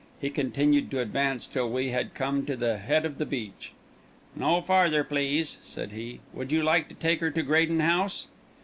He continued to advance till we had come to the head of the beach. "No farther, please," said he. "Would you like to take her to Graden House?"